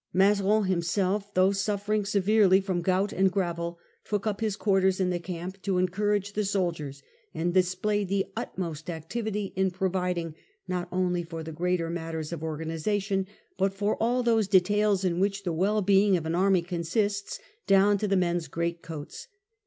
Mazarin himself, though suffering severely from gout and gravel, took up his quarters in the camp to en courage the soldiers, and displayed the utmost activity in providing riot only for the greater matters of organise ation, but for all those details in which the well being of an army consists, down to the men's great coats.